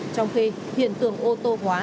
trong khi hiện tượng ô tô hóa